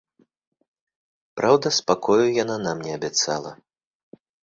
Праўда, спакою яна нам не абяцала.